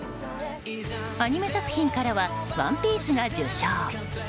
アニメ作品からは「ＯＮＥＰＩＥＣＥ」が受賞。